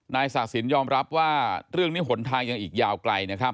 นายศักดิ์สินยอมรับว่าเรื่องนี้หลนทางยังอีกยาวไกล